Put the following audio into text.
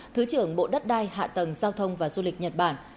thứ trưởng bộ đất đai hạ tầng giao thông và du lịch nhật bản